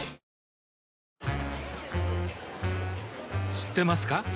知ってますか？